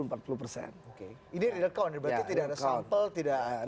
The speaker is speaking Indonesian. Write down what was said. ini realcon berarti tidak ada sampel tidak ada